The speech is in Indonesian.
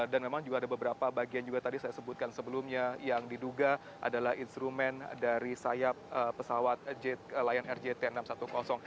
dan memang juga ada beberapa bagian juga tadi saya sebutkan sebelumnya yang diduga adalah instrumen dari sayap pesawat lion rjt enam ratus sepuluh